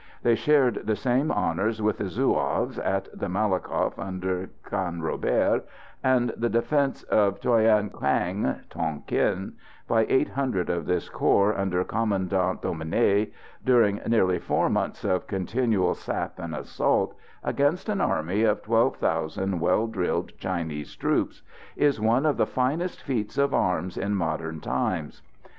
They shared the same honours with the Zouaves at the Malakoff under Canrobert, and the defence of Tuayen Quang (Tonquin), by eight hundred of this corps under Commandant Dominé, during nearly four months of continual sap and assault, against an army of twelve thousand well drilled Chinese troops, is one of the finest feats of arms in modern times.